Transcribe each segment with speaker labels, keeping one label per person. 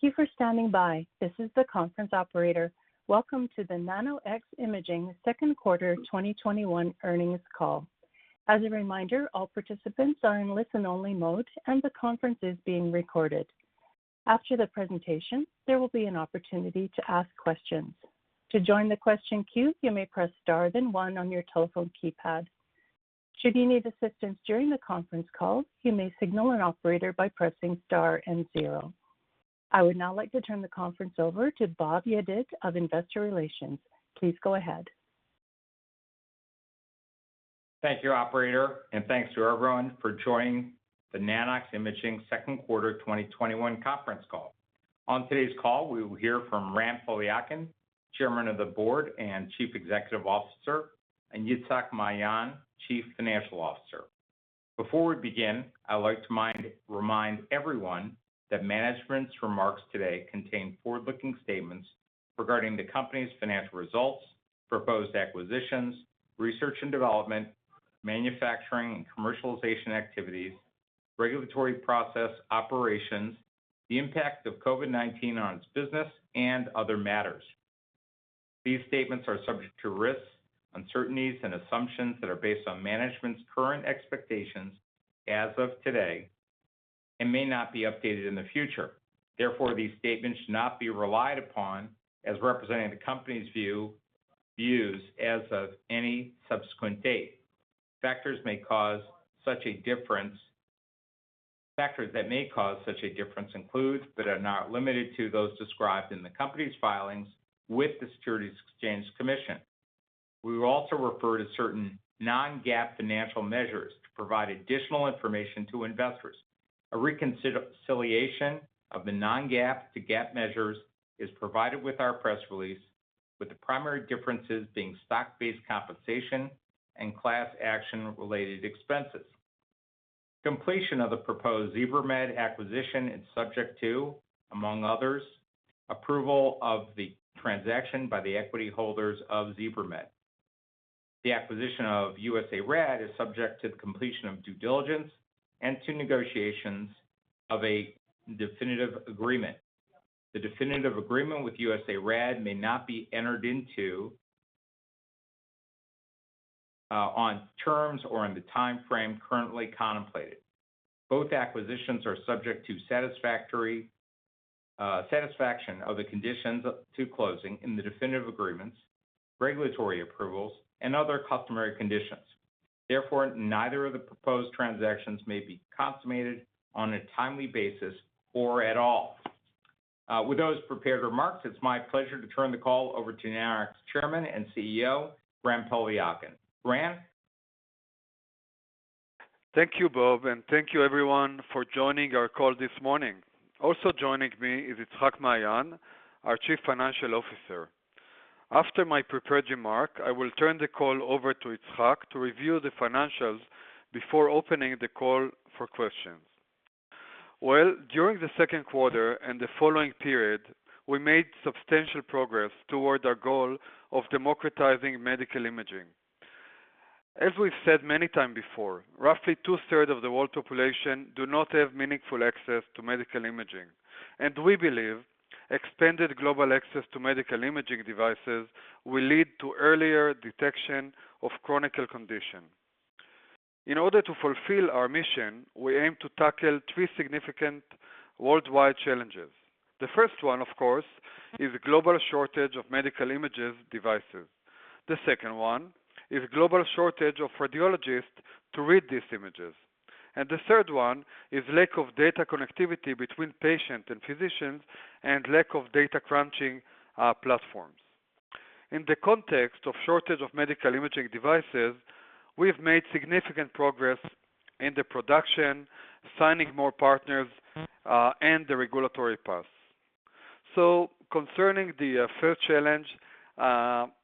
Speaker 1: Thank you for standing by. This is the conference operator. Welcome to the Nano-X Imaging second quarter 2021 earnings call. As a reminder, all participants are in listen-only mode, and the conference is being recorded. After the presentation, there will be an opportunity to ask questions. I would now like to turn the conference over to Bob Yedid of Investor Relations. Please go ahead.
Speaker 2: Thank you, operator, and thanks to everyone for joining the Nano-X Imaging second quarter 2021 conference call. On today's call, we will hear from Ran Poliakine, Chairman of the Board and Chief Executive Officer, and Itzhak Maayan, Chief Financial Officer. Before we begin, I would like to remind everyone that management's remarks today contain forward-looking statements regarding the company's financial results, proposed acquisitions, research and development, manufacturing and commercialization activities, regulatory process, operations, the impact of COVID-19 on its business, and other matters. These statements are subject to risks, uncertainties, and assumptions that are based on management's current expectations as of today and may not be updated in the future. Therefore, these statements should not be relied upon as representing the company's views as of any subsequent date. Factors that may cause such a difference include, but are not limited to, those described in the company's filings with the Securities and Exchange Commission. We will also refer to certain non-GAAP financial measures to provide additional information to investors. A reconciliation of the non-GAAP to GAAP measures is provided with our press release, with the primary differences being stock-based compensation and class action-related expenses. Completion of the proposed Zebra-Med acquisition is subject to, among others, approval of the transaction by the equity holders of Zebra-Med. The acquisition of USARAD is subject to the completion of due diligence and to negotiations of a definitive agreement. The definitive agreement with USARAD may not be entered into on terms or in the timeframe currently contemplated. Both acquisitions are subject to satisfaction of the conditions to closing in the definitive agreements, regulatory approvals, and other customary conditions. Therefore, neither of the proposed transactions may be consummated on a timely basis or at all. With those prepared remarks, it is my pleasure to turn the call over to Nano-X Chairman and CEO, Ran Poliakine. Ran?
Speaker 3: Thank you, Bob, and thank you everyone for joining our call this morning. Also joining me is Itzhak Maayan, our Chief Financial Officer. After my prepared remark, I will turn the call over to Itzhak to review the financials before opening the call for questions. Well, during the second quarter and the following period, we made substantial progress toward our goal of democratizing medical imaging. As we've said many times before, roughly two-thirds of the world population do not have meaningful access to medical imaging, and we believe expanded global access to medical imaging devices will lead to earlier detection of chronic condition. In order to fulfill our mission, we aim to tackle three significant worldwide challenges. The first one, of course, is the global shortage of medical imaging devices. The second one is global shortage of radiologists to read these images. The third one is lack of data connectivity between patient and physicians and lack of data crunching platforms. In the context of shortage of medical imaging devices, we have made significant progress in the production, signing more partners, and the regulatory paths. Concerning the first challenge,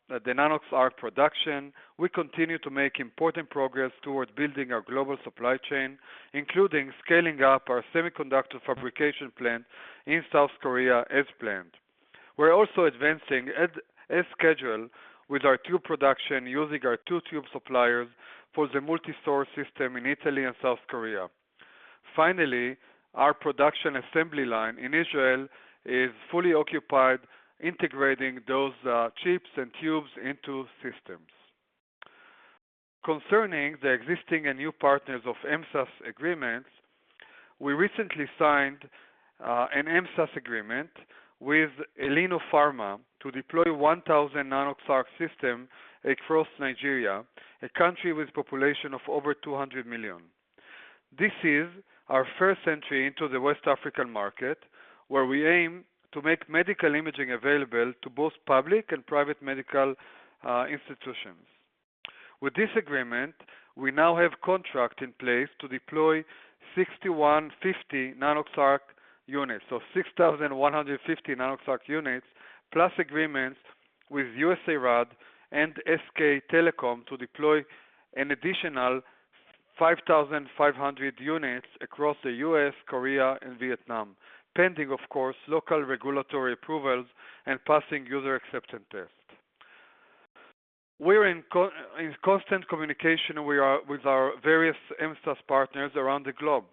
Speaker 3: the Nanox.ARC production, we continue to make important progress towards building our global supply chain, including scaling up our semiconductor fabrication plant in South Korea as planned. We are also advancing as scheduled with our tube production using our 2 tube suppliers for the multi-source system in Italy and South Korea. Finally, our production assembly line in Israel is fully occupied integrating those chips and tubes into systems. Concerning the existing and new partners of MSaaS agreements, we recently signed an MSaaS agreement with EiLEENO Pharma to deploy 1,000 Nanox.ARC systems across Nigeria, a country with a population of over 200 million. This is our first entry into the West African market, where we aim to make medical imaging available to both public and private medical institutions. With this agreement, we now have contract in place to deploy 6,150 Nanox.ARC units, so 6,150 Nanox.ARC units plus agreements with USARAD and SK Telecom to deploy an additional 5,500 units across the U.S., Korea, and Vietnam, pending, of course, local regulatory approvals and passing user acceptance tests. We're in constant communication with our various MSaaS partners around the globe.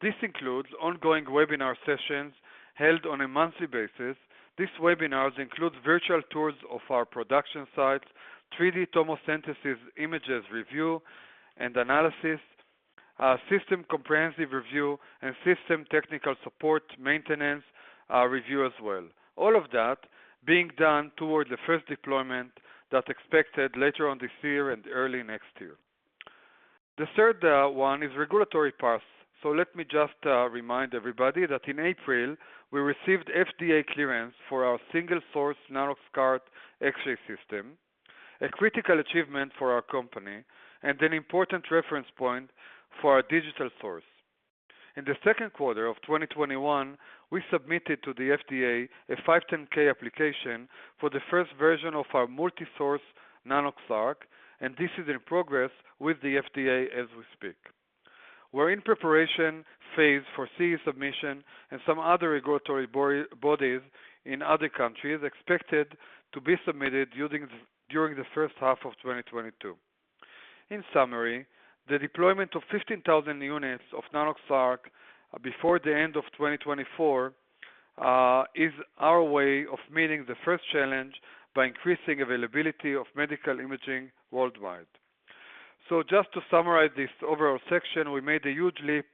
Speaker 3: This includes ongoing webinar sessions held on a monthly basis. These webinars include virtual tours of our production sites, 3D tomosynthesis images review and analysis, system comprehensive review, and system technical support maintenance review as well. All of that being done toward the first deployment that's expected later on this year and early next year. The third one is regulatory path. Let me just remind everybody that in April, we received FDA clearance for our single-source Nanox.CART X-ray system, a critical achievement for our company and an important reference point for our digital source. In the second quarter of 2021, we submitted to the FDA a 510 application for the first version of our multi-source Nanox.ARC, and this is in progress with the FDA as we speak. We're in preparation phase for CE submission and some other regulatory bodies in other countries, expected to be submitted during the first half of 2022. In summary, the deployment of 15,000 units of Nanox.ARC before the end of 2024 is our way of meeting the first challenge by increasing availability of medical imaging worldwide. Just to summarize this overall section, we made a huge leap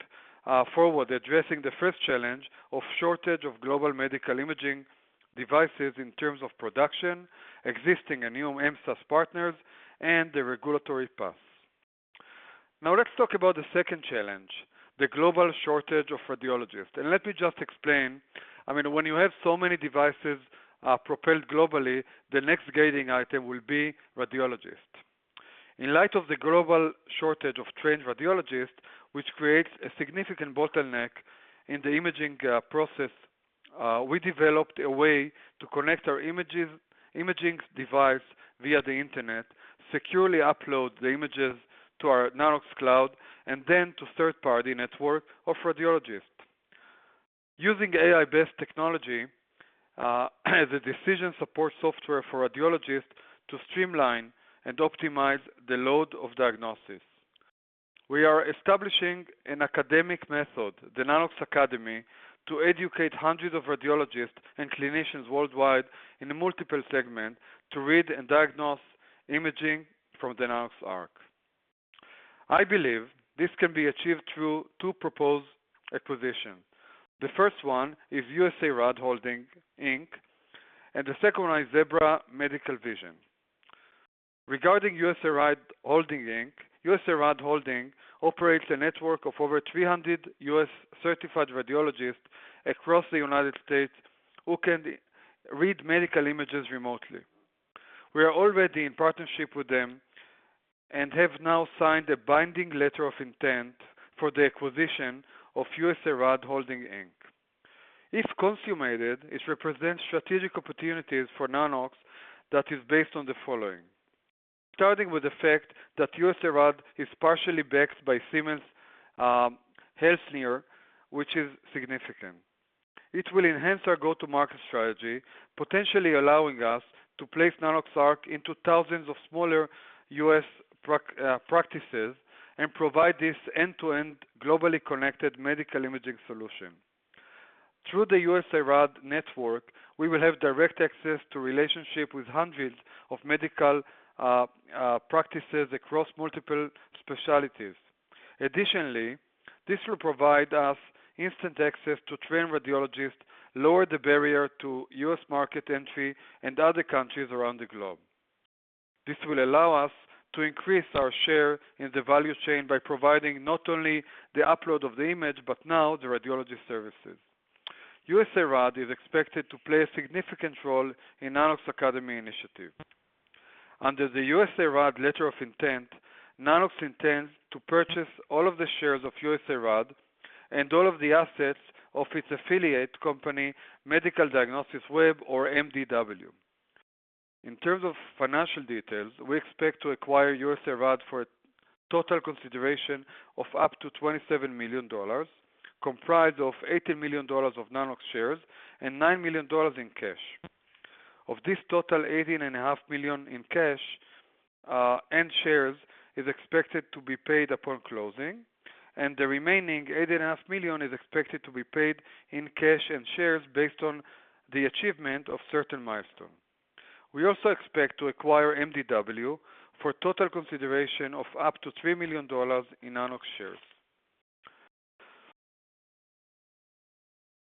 Speaker 3: forward addressing the first challenge of shortage of global medical imaging devices in terms of production, existing and new MSaaS partners, and the regulatory path. Let's talk about the second challenge, the global shortage of radiologists. Let me just explain, when you have so many devices propelled globally, the next gating item will be radiologists. In light of the global shortage of trained radiologists, which creates a significant bottleneck in the imaging process, we developed a way to connect our imaging device via the internet, securely upload the images to our Nanox.CLOUD, and then to third-party network of radiologists. Using AI-based technology, the decision support software for radiologists to streamline and optimize the load of diagnosis. We are establishing an academic method, the Nanox Academy, to educate hundreds of radiologists and clinicians worldwide in multiple segments to read and diagnose imaging from the Nanox.ARC. I believe this can be achieved through two proposed acquisitions. The first one is USARAD Holdings, Inc., and the second one is Zebra Medical Vision. Regarding USARAD Holdings, Inc., USARAD Holdings operates a network of over 300 U.S.-certified radiologists across the United States who can read medical images remotely. We are already in partnership with them and have now signed a binding letter of intent for the acquisition of USARAD Holdings, Inc. If consummated, it represents strategic opportunities for Nano-X that is based on the following. Starting with the fact that USARAD is partially backed by Siemens Healthineers, which is significant. It will enhance our go-to-market strategy, potentially allowing us to place Nanox.ARC into thousands of smaller U.S. practices and provide this end-to-end globally connected medical imaging solution. Through the USARAD network, we will have direct access to relationships with hundreds of medical practices across multiple specialties. Additionally, this will provide us instant access to trained radiologists, lower the barrier to U.S. market entry, and other countries around the globe. This will allow us to increase our share in the value chain by providing not only the upload of the image, but now the radiology services. USARAD is expected to play a significant role in Nanox Academy initiative. Under the USARAD letter of intent, Nanox intends to purchase all of the shares of USARAD and all of the assets of its affiliate company, Medical Diagnostics Web, or MDW. In terms of financial details, we expect to acquire USARAD for total consideration of up to $27 million, comprised of $18 million of Nanox shares and $9 million in cash. Of this total, $18.5 million in cash, and shares is expected to be paid upon closing, and the remaining $18.5 million is expected to be paid in cash and shares based on the achievement of certain milestones. We also expect to acquire MDW for total consideration of up to $3 million in Nanox shares.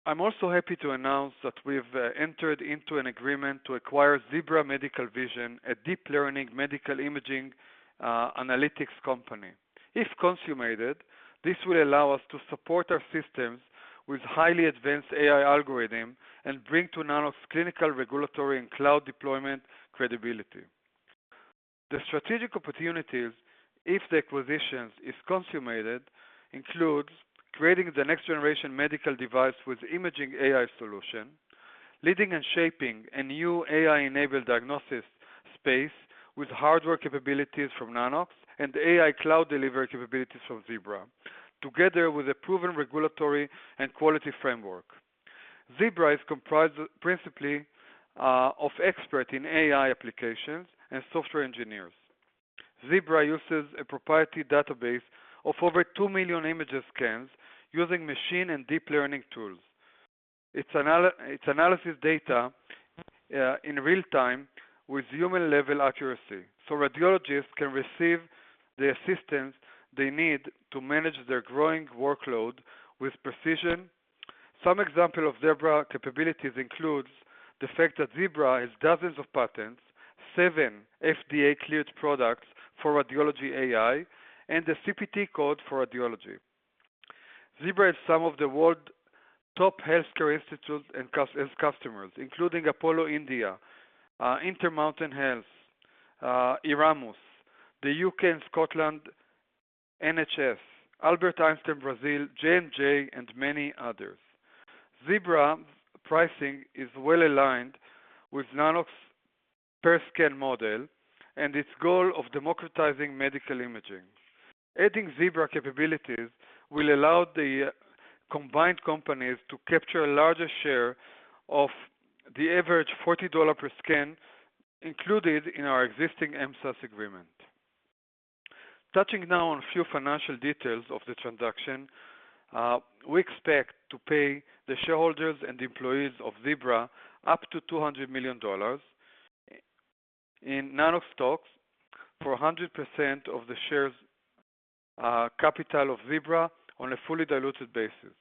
Speaker 3: I'm also happy to announce that we've entered into an agreement to acquire Zebra Medical Vision, a deep learning medical imaging analytics company. If consummated, this will allow us to support our systems with highly advanced AI algorithms and bring to Nanox clinical, regulatory, and cloud deployment credibility. The strategic opportunities, if the acquisition is consummated, includes creating the next-generation medical device with imaging AI solution, leading and shaping a new AI-enabled diagnosis space with hardware capabilities from Nanox and AI cloud delivery capabilities from Zebra, together with a proven regulatory and quality framework. Zebra is comprised principally of experts in AI applications and software engineers. Zebra uses a proprietary database of over 2 million image scans using machine and deep learning tools. Its analysis data in real time with human-level accuracy. Radiologists can receive the assistance they need to manage their growing workload with precision. Some example of Zebra capabilities includes the fact that Zebra has dozens of patents, 7 FDA cleared products for radiology AI, and a CPT code for radiology. Zebra has some of the world's top healthcare institutes as customers, including Apollo Hospitals, Intermountain Healthcare, Erasmus MC, the U.K. and Scotland NHS, Hospital Israelita Albert Einstein, J&J, and many others. Zebra pricing is well-aligned with Nanox per scan model and its goal of democratizing medical imaging. Adding Zebra capabilities will allow the combined companies to capture a larger share of the average $40 per scan included in our existing MSaaS agreement. Touching now on a few financial details of the transaction, we expect to pay the shareholders and employees of Zebra up to $200 million in Nanox stocks for 100% of the shares, capital of Zebra on a fully diluted basis.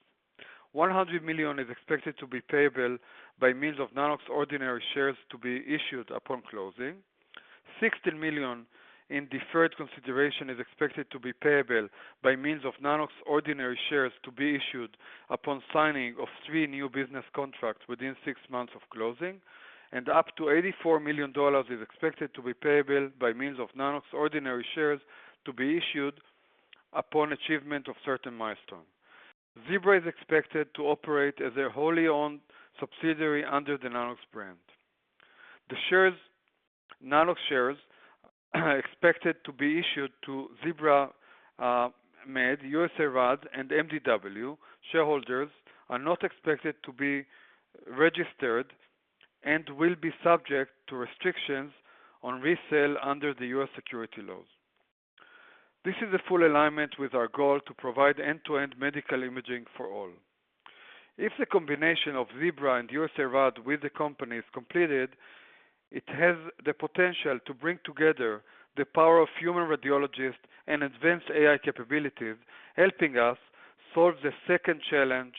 Speaker 3: $100 million is expected to be payable by means of Nanox ordinary shares to be issued upon closing. $16 million in deferred consideration is expected to be payable by means of Nano-X ordinary shares to be issued upon signing of three new business contracts within six months of closing, and up to $84 million is expected to be payable by means of Nano-X ordinary shares to be issued upon achievement of certain milestones., Zebra is expected to operate as a wholly owned subsidiary under the Nano-X brand. The Nano-X shares expected to be issued to Zebra-Med, USARAD, and MDW shareholders are not expected to be registered and will be subject to restrictions on resale under the U.S. security laws. This is a full alignment with our goal to provide end-to-end medical imaging for all. If the combination of Zebra and USARAD with the company is completed, it has the potential to bring together the power of human radiologists and advanced AI capabilities, helping us solve the second challenge,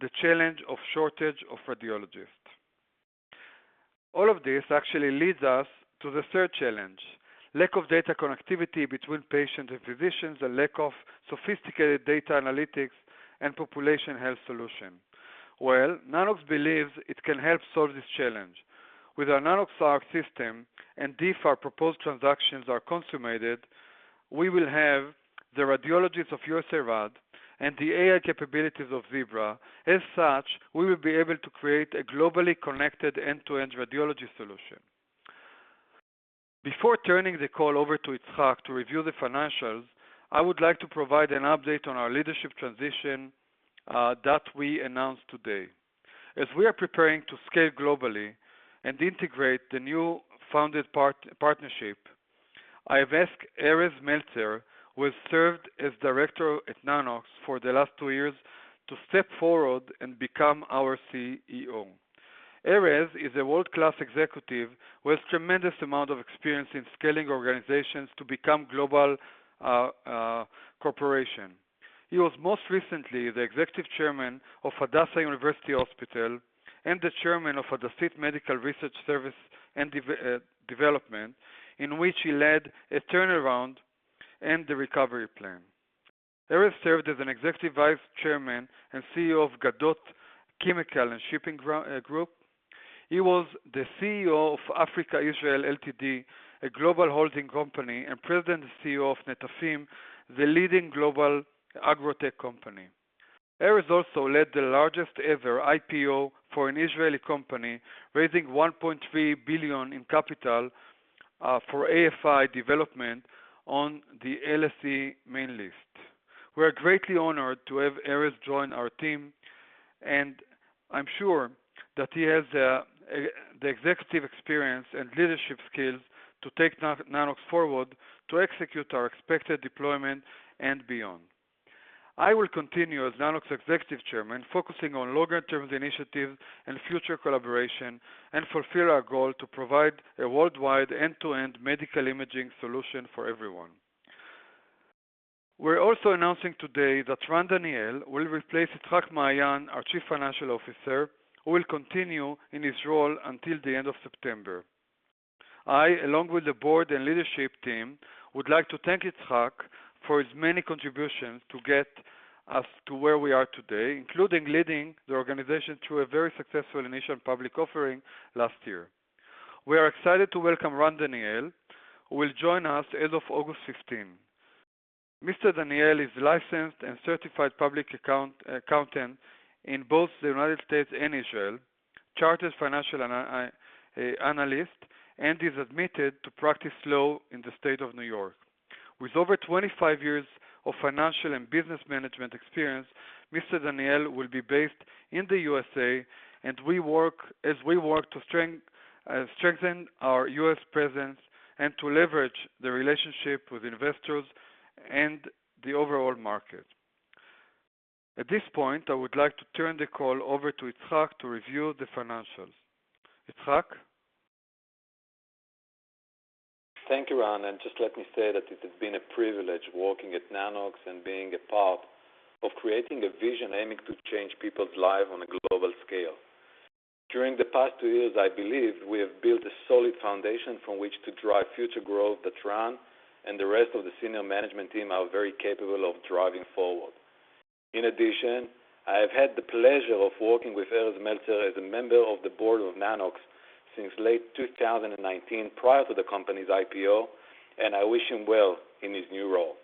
Speaker 3: the challenge of shortage of radiologists. All of this actually leads us to the third challenge, lack of data connectivity between patients and physicians, a lack of sophisticated data analytics and population health solution. Well, Nanox believes it can help solve this challenge. With our Nanox.ARC system, and if our proposed transactions are consummated, we will have the radiologists of USARAD and the AI capabilities of Zebra. As such, we will be able to create a globally connected end-to-end radiology solution. Before turning the call over to Itzhak to review the financials, I would like to provide an update on our leadership transition that we announced today. As we are preparing to scale globally and integrate the new founded partnership, I have asked Erez Meltzer, who has served as Director at Nanox for the last two years, to step forward and become our CEO. Erez is a world-class Executive with tremendous amount of experience in scaling organizations to become global corporation. He was most recently the Executive Chairman of Hadassah University Hospital and the Chairman of Hadasit Medical Research Services and Development, in which he led a turnaround and the recovery plan. Erez served as an Executive Vice Chairman and CEO of Gadot Chemical and Shipping Group. He was the CEO of Africa Israel Ltd, a global holding company, and President and CEO of Netafim, the leading global agrotech company. Erez also led the largest-ever IPO for an Israeli company, raising $1.3 billion in capital for AFI Development on the LSE main list. We're greatly honored to have Erez join our team, and I'm sure that he has the executive experience and leadership skills to take Nanox forward to execute our expected deployment and beyond. I will continue as Nanox executive chairman, focusing on longer term initiatives and future collaboration, and fulfill our goal to provide a worldwide end-to-end medical imaging solution for everyone. We're also announcing today that Ran Daniel will replace Itzhak Maayan, our chief financial officer, who will continue in his role until the end of September. I, along with the board and leadership team, would like to thank Itzhak for his many contributions to get us to where we are today, including leading the organization through a very successful initial public offering last year. We are excited to welcome Ran Daniel, who will join us as of August 15. Mr. Daniel is a licensed and certified public accountant in both the United States and Israel, Chartered Financial Analyst, and is admitted to practice law in the state of New York. With over 25 years of financial and business management experience, Mr. Daniel will be based in the U.S.A. as we work to strengthen our U.S. presence and to leverage the relationship with investors and the overall market. At this point, I would like to turn the call over to Itzhak to review the financials. Itzhak?
Speaker 4: Thank you, Ran, just let me say that it has been a privilege working at Nano-X Imaging and being a part of creating a vision aiming to change people's lives on a global scale. During the past two years, I believe we have built a solid foundation from which to drive future growth that Ran and the rest of the senior management team are very capable of driving forward. In addition, I have had the pleasure of working with Erez Meltzer as a member of the board of Nano-X Imaging since late 2019, prior to the company's IPO, and I wish him well in his new role.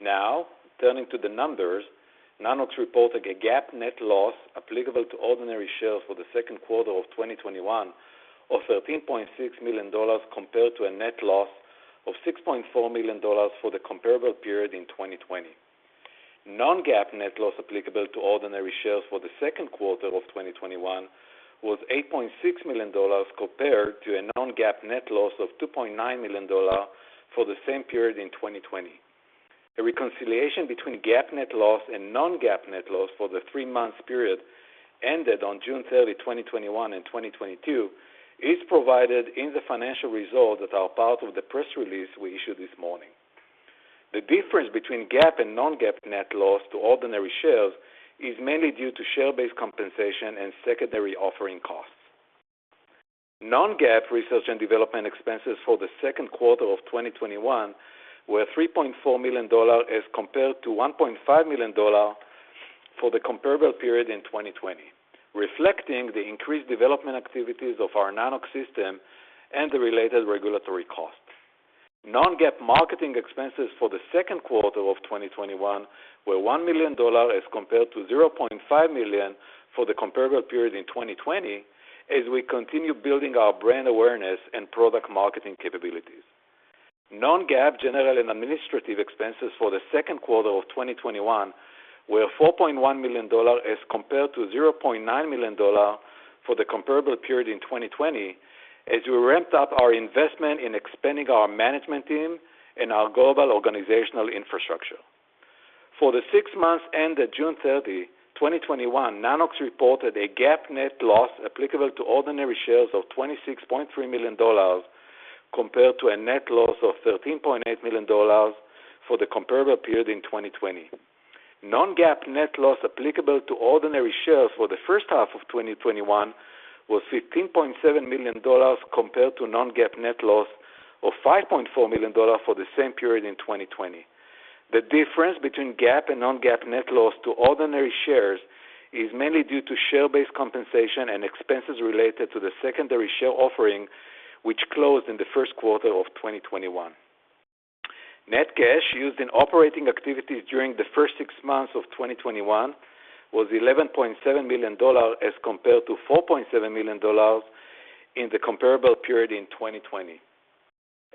Speaker 4: Now, turning to the numbers, Nano-X Imaging reported a GAAP net loss applicable to ordinary shares for the second quarter of 2021 of $13.6 million, compared to a net loss of $6.4 million for the comparable period in 2020. Non-GAAP net loss applicable to ordinary shares for the second quarter of 2021 was $8.6 million, compared to a non-GAAP net loss of $2.9 million for the same period in 2020. A reconciliation between GAAP net loss and non-GAAP net loss for the three-month period ended on June 30, 2021, and 2022 is provided in the financial results that are part of the press release we issued this morning. The difference between GAAP and non-GAAP net loss to ordinary shares is mainly due to share-based compensation and secondary offering costs. Non-GAAP research and development expenses for the second quarter of 2021 were $3.4 million as compared to $1.5 million for the comparable period in 2020, reflecting the increased development activities of our Nanox system and the related regulatory costs. Non-GAAP marketing expenses for the second quarter of 2021 were $1 million as compared to $0.5 million for the comparable period in 2020, as we continue building our brand awareness and product marketing capabilities. Non-GAAP general and administrative expenses for the second quarter of 2021 were $4.1 million as compared to $0.9 million for the comparable period in 2020, as we ramped up our investment in expanding our management team and our global organizational infrastructure. For the six months ended June 30, 2021, Nanox reported a GAAP net loss applicable to ordinary shares of $26.3 million, compared to a net loss of $13.8 million for the comparable period in 2020. Non-GAAP net loss applicable to ordinary shares for the first half of 2021 was $15.7 million, compared to a non-GAAP net loss of $5.4 million for the same period in 2020. The difference between GAAP and non-GAAP net loss to ordinary shares is mainly due to share-based compensation and expenses related to the secondary share offering, which closed in the first quarter of 2021. Net cash used in operating activities during the first six months of 2021 was $11.7 million as compared to $4.7 million in the comparable period in 2020.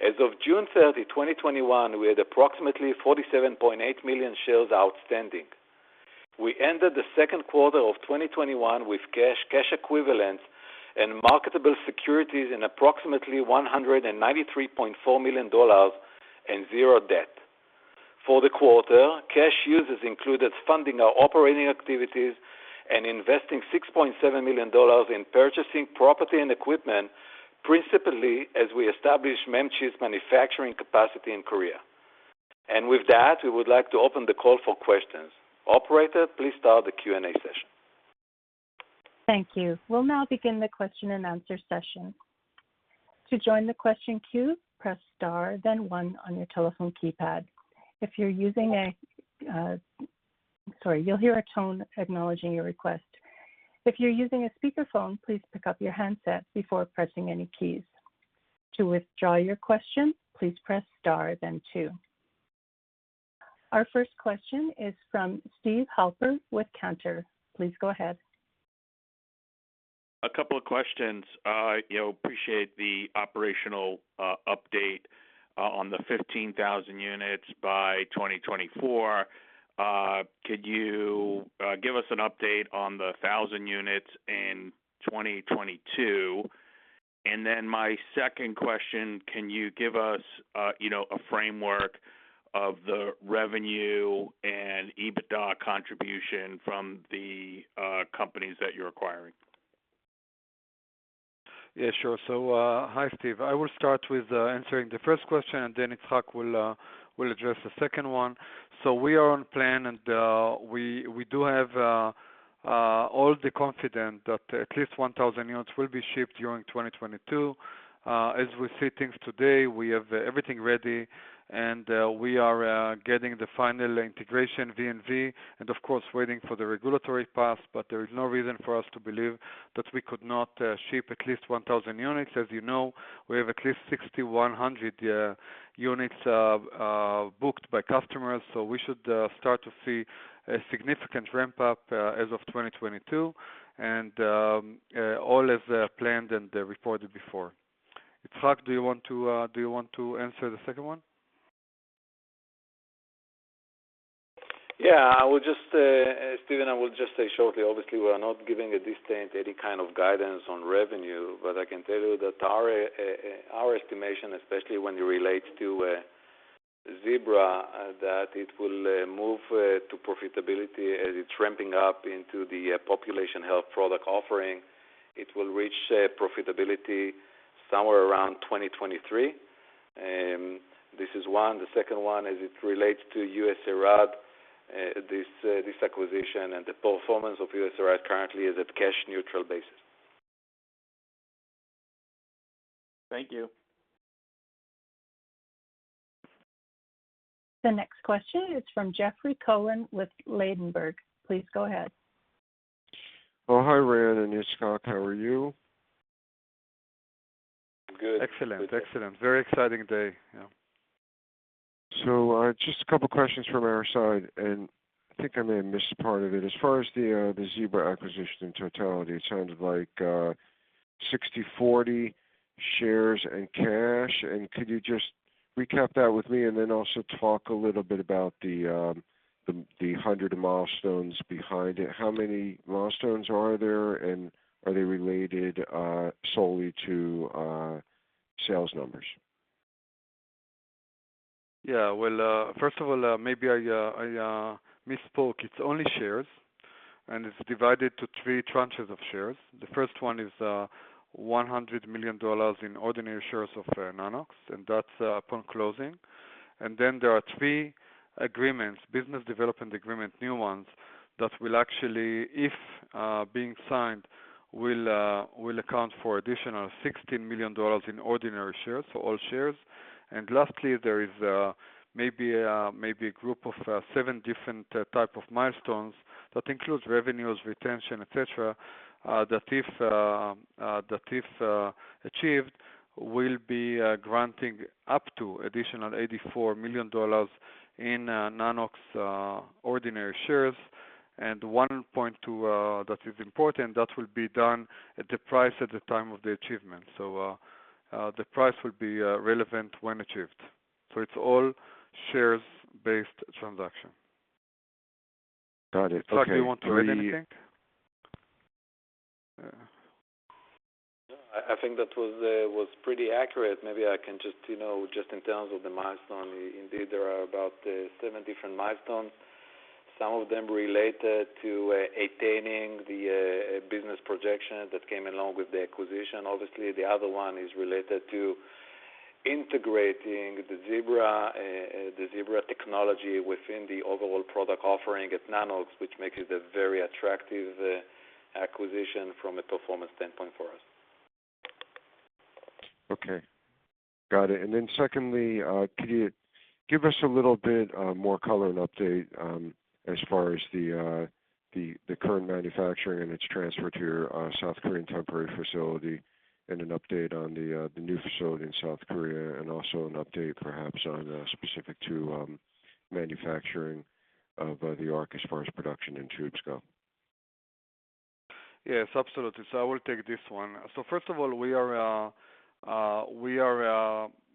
Speaker 4: As of June 30, 2021, we had approximately 47.8 million shares outstanding. We ended the second quarter of 2021 with cash equivalents, and marketable securities in approximately $193.4 million and zero debt. For the quarter, cash uses included funding our operating activities and investing $6.7 million in purchasing property and equipment, principally as we established MEMS chip's manufacturing capacity in Korea. With that, we would like to open the call for questions. Operator, please start the Q&A session.
Speaker 1: Thank you. We'll now begin the question and answer session. To join the question queue, press star then 1 on your telephone keypad. If you're using a... Sorry, you'll hear a tone acknowledging your request. If you're using a speakerphone, please pick up your handset before pressing any keys. To withdraw your question, please press star then 2. Our first question is from Steve Halper with Cantor. Please go ahead.
Speaker 5: A couple of questions. Appreciate the operational update on the 15,000 units by 2024. Could you give us an update on the 1,000 units in 2022? My second question, can you give us a framework of the revenue and EBITDA contribution from the companies that you're acquiring?
Speaker 3: Yeah, sure. Hi, Steve. I will start with answering the first question and then Itzhak will address the second one. We are on plan, and we do have all the confidence that at least 1,000 units will be shipped during 2022. As we see things today, we have everything ready, and we are getting the final integration V&V, and of course, waiting for the regulatory path, but there is no reason for us to believe that we could not ship at least 1,000 units. As you know, we have at least 6,100 units booked by customers, we should start to see a significant ramp-up as of 2022 and all as planned and reported before. Itzhak, do you want to answer the second one?
Speaker 4: Yeah. Steve, I will just say shortly, obviously, we are not giving at this stage any kind of guidance on revenue. I can tell you that our estimation, especially when you relate to Zebra, that it will move to profitability as it's ramping up into the population health product offering. It will reach profitability somewhere around 2023. This is one. The second one, as it relates to USARAD, this acquisition and the performance of USARAD currently is at cash neutral basis.
Speaker 5: Thank you.
Speaker 1: The next question is from Jeffrey Cohen with Ladenburg. Please go ahead.
Speaker 6: Oh, hi, Ran and Itzhak. How are you?
Speaker 4: I'm good.
Speaker 6: Excellent. Very exciting day. Yeah. Just a couple of questions from our side, and I think I may have missed part of it. As far as the Zebra acquisition in totality, it sounded like 60/40 shares and cash. Could you just recap that with me and then also talk a little bit about the 100 milestones behind it? How many milestones are there, and are they related solely to sales numbers?
Speaker 3: Yeah. Well, first of all, maybe I misspoke. It's only shares, and it's divided into 3 tranches of shares. The first one is $100 million in ordinary shares of Nanox, and that's upon closing. Then there are 3 agreements, business development agreement, new ones, that will actually, if being signed, will account for additional $60 million in ordinary shares, so all shares. Lastly, there is maybe a group of 7 different type of milestones that includes revenues, retention, et cetera, that if achieved, will be granting up to additional $84 million in Nanox ordinary shares. One point that is important, that will be done at the price at the time of the achievement. The price will be relevant when achieved. It's all shares-based transaction.
Speaker 6: Got it. Okay.
Speaker 3: Itzhak, do you want to add anything?
Speaker 4: No, I think that was pretty accurate. Maybe I can just in terms of the milestone, indeed, there are about 7 different milestones, some of them related to attaining the business projection that came along with the acquisition. Obviously, the other one is related to integrating the Zebra technology within the overall product offering at Nanox, which makes it a very attractive acquisition from a performance standpoint for us.
Speaker 6: Okay. Got it. Secondly, could you give us a little bit more color and update as far as the current manufacturing and its transfer to your South Korean temporary facility, and an update on the new facility in South Korea, and also an update perhaps on specific to manufacturing of the Arc as far as production and tubes go?
Speaker 3: Yes, absolutely. I will take this one. First of all, we are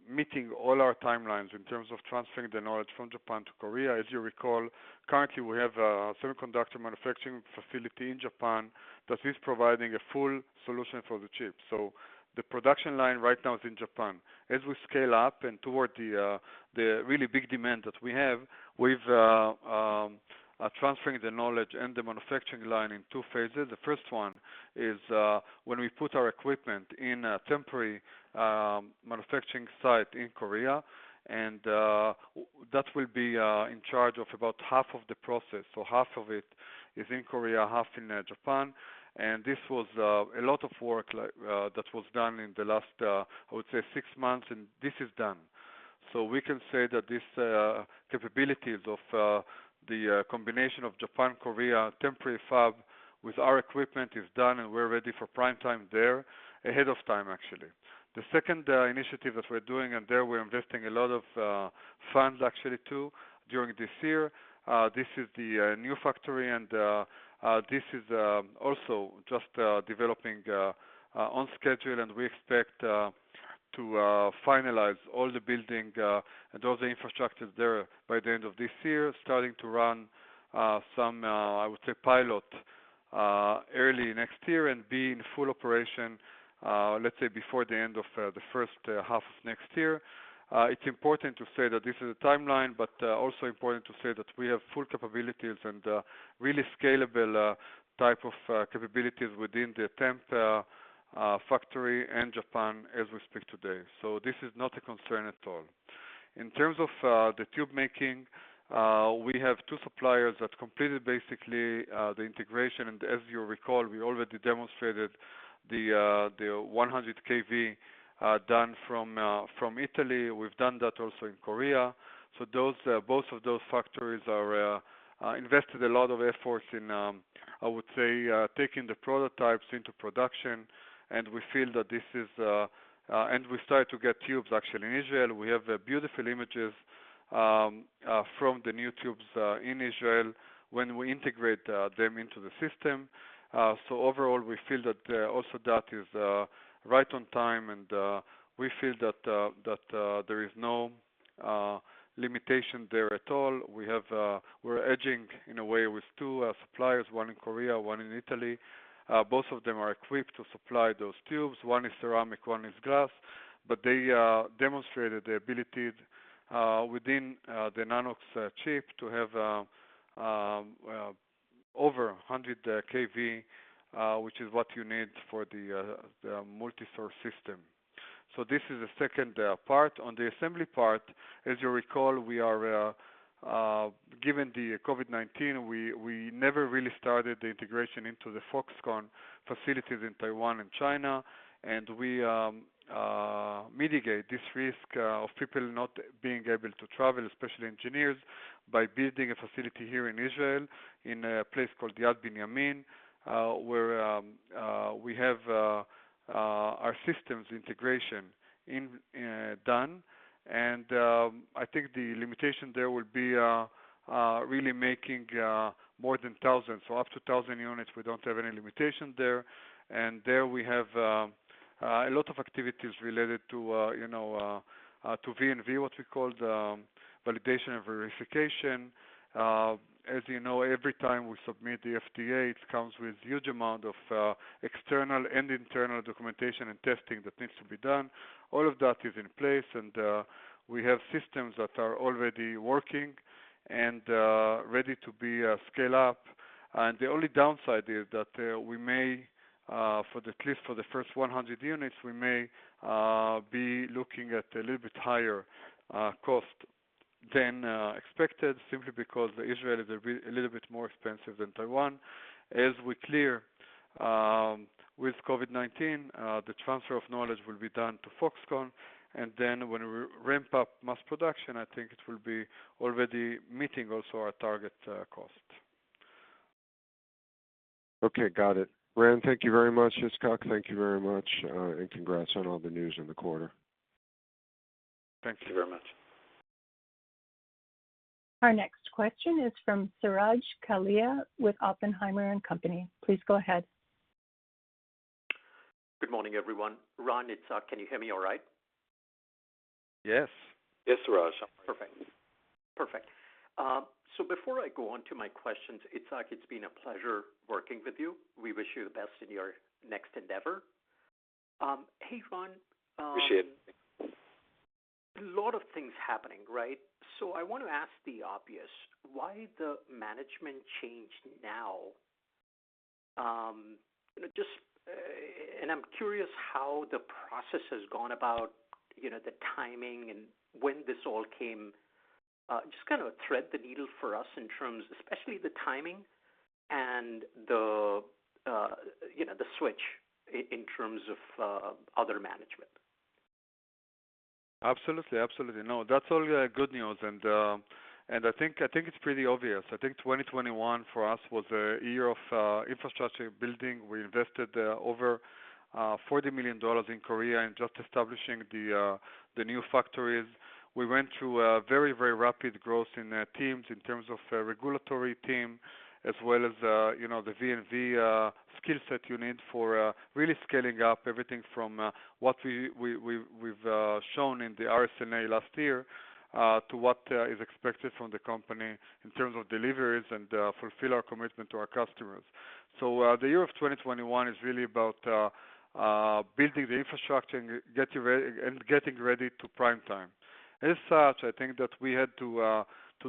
Speaker 3: meeting all our timelines in terms of transferring the knowledge from Japan to Korea. As you recall, currently, we have a semiconductor manufacturing facility in Japan that is providing a full solution for the chip. The production line right now is in Japan. As we scale up and toward the really big demand that we have, we've transferring the knowledge and the manufacturing line in 2 phases. The first one is when we put our equipment in a temporary manufacturing site in Korea, and that will be in charge of about half of the process. Half of it is in Korea, half in Japan. This was a lot of work that was done in the last, I would say, 6 months, and this is done. We can say that these capabilities of the combination of Japan, Korea temporary fab with our equipment is done, and we're ready for prime time there ahead of time, actually. The second initiative that we're doing, and there we're investing a lot of funds actually too during this year. This is the new factory, and this is also just developing on schedule, and we expect to finalize all the building and all the infrastructures there by the end of this year, starting to run some, I would say, pilot early next year and be in full operation, let's say, before the end of the first half of next year. It's important to say that this is a timeline, but also important to say that we have full capabilities and really scalable type of capabilities within the temp factory in Japan as we speak today. This is not a concern at all. In terms of the tube making, we have two suppliers that completed basically the integration, and as you recall, we already demonstrated the 100kV done from Italy. We've done that also in Korea. Both of those factories invested a lot of efforts in, I would say, taking the prototypes into production. We started to get tubes actually in Israel. We have beautiful images from the new tubes in Israel when we integrate them into the system. Overall, we feel that also that is right on time, and we feel that there is no limitation there at all. We're edging, in a way, with two suppliers, one in Korea, one in Italy. Both of them are equipped to supply those tubes. One is ceramic, one is glass. They demonstrated the ability within the Nanox chip to have over 100KV, which is what you need for the multi-source system. This is the second part. On the assembly part, as you recall, given the COVID-19, we never really started the integration into the Foxconn facilities in Taiwan and China, and we mitigate this risk of people not being able to travel, especially engineers, by building a facility here in Israel in a place called Yad Binyamin, where we have our systems integration done. I think the limitation there will be really making more than thousands. Up to 1,000 units, we don't have any limitation there. There we have a lot of activities related to V&V, what we call the validation and verification. As you know, every time we submit the FDA, it comes with huge amount of external and internal documentation and testing that needs to be done. All of that is in place, and we have systems that are already working and ready to be scale up. The only downside is that at least for the first 100 units, we may be looking at a little bit higher cost than expected, simply because Israel is a little bit more expensive than Taiwan. As we clear with COVID-19, the transfer of knowledge will be done to Foxconn. Then when we ramp up mass production, I think it will be already meeting also our target cost.
Speaker 6: Okay, got it. Ran, thank you very much. Itzhak, thank you very much, and congrats on all the news in the quarter.
Speaker 3: Thank you very much.
Speaker 1: Our next question is from Suraj Kalia with Oppenheimer & Company. Please go ahead.
Speaker 7: Good morning, everyone. Ran, Itzhak, can you hear me all right?
Speaker 3: Yes.
Speaker 4: Yes, Suraj.
Speaker 7: Perfect. Before I go on to my questions, Itzhak, it's been a pleasure working with you. We wish you the best in your next endeavor. Hey, Ran.
Speaker 3: Appreciate it.
Speaker 7: A lot of things happening, right? I want to ask the obvious, why the management change now? I'm curious how the process has gone about, the timing and when this all came. Just kind of thread the needle for us, especially the timing and the switch in terms of other management.
Speaker 3: Absolutely. That's only good news, and I think it's pretty obvious. I think 2021 for us was a year of infrastructure building. We invested over $40 million in Korea in just establishing the new factories. We went through a very rapid growth in teams in terms of regulatory team, as well as the V&V skill set you need for really scaling up everything from what we've shown in the RSNA last year to what is expected from the company in terms of deliveries and fulfill our commitment to our customers. The year of 2021 is really about building the infrastructure and getting ready to prime time. As such, I think that we had to